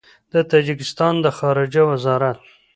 د تاجکستان د خارجه وزارت